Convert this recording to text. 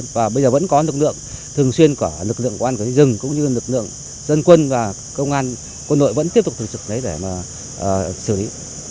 và bây giờ vẫn có lực lượng thường xuyên của lực lượng quản lý rừng cũng như lực lượng dân quân và công an quân đội vẫn tiếp tục thực trực để xử lý